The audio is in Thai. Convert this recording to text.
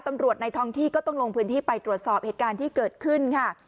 ในท้องที่ก็ต้องลงพื้นที่ไปตรวจสอบเหตุการณ์ที่เกิดขึ้นค่ะ